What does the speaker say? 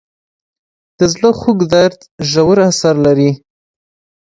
د زړه خوږ درد ژور اثر لري.